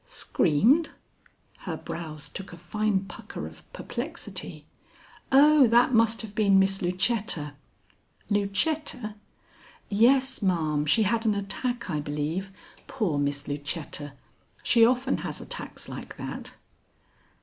"Screamed?" Her brows took a fine pucker of perplexity. "Oh, that must have been Miss Lucetta." "Lucetta?" "Yes, ma'am; she had an attack, I believe. Poor Miss Lucetta! She often has attacks like that."